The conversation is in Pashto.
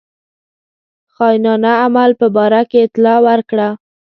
خاینانه عمل په باره کې اطلاع ورکړه.